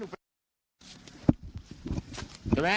ครับจะไปไหน